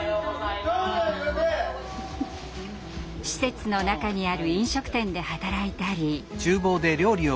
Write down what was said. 施設の中にある飲食店で働いたり。